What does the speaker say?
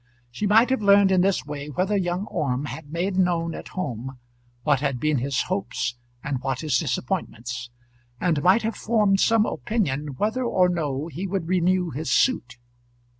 She might have learned in this way whether young Orme had made known at home what had been his hopes and what his disappointments, and might have formed some opinion whether or no he would renew his suit.